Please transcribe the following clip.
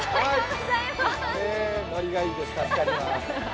乗りがいいです、助かります。